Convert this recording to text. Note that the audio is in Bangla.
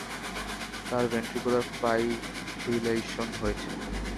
তার ভেন্ট্রিকুলার ফাইব্রিলেশন হয়েছে।